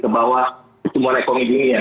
semuanya merevisi ke bawah semua ekonomi dunia